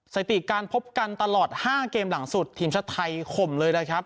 ถิติการพบกันตลอด๕เกมหลังสุดทีมชาติไทยข่มเลยนะครับ